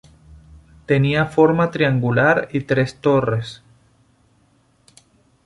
Tenía forma triangular y tres torres.